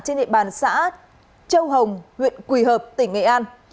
khóa sản trên địa bàn xã châu hồng huyện quỳ hợp tỉnh nghệ an